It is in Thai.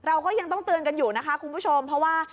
เราก็ยังต้องเตือนกันอยู่นะคะคุณผู้ชมเพราะว่า